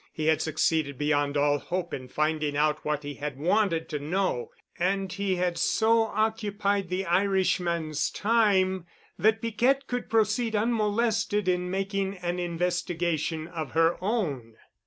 He had succeeded beyond all hope in finding out what he had wanted to know; and he had so occupied the Irishman's time that Piquette could proceed unmolested in making an investigation of her own.